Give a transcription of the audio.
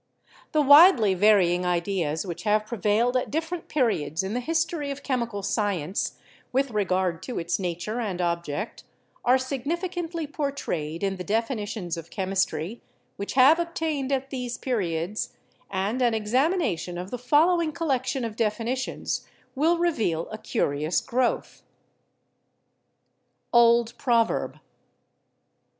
The widely varying ideas which have prevailed at dif ferent periods in the history of chemical science, with regard to its nature and object, are significantly por trayed in the definitions of chemistry which have obtained at these periods, and an examination of the following col lection of definitions will reveal a curious growth : Old Proverb.